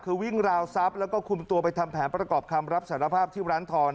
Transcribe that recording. คือวิ่งราวทรัพย์แล้วก็คุมตัวไปทำแผนประกอบคำรับสารภาพที่ร้านทอง